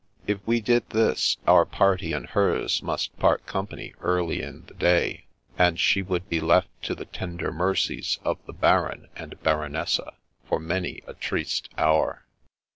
If we did this, our party and hers must part company early in the day, and she would be left to the tender mercies of the Baron and Baronessa for many a triste hour.